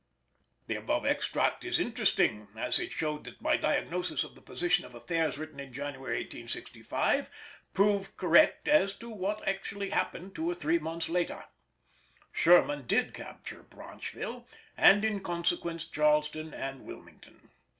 The above extract is interesting, as it showed that my diagnosis of the position of affairs, written in January 1865, proved correct as to what actually happened two or three months later. Sherman did capture Branchville, and in consequence Charleston and Wilmington.